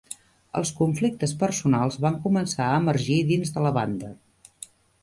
Els conflictes personals van començar a emergir dins de la banda.